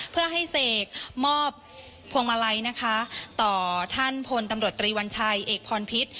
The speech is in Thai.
เพื่อให้เสกมอบพวงมาลัยนะคะต่อท่านพลตำรวจตรีวัญชัยเอกพรพิษ